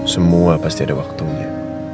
semua pasti ada waktunya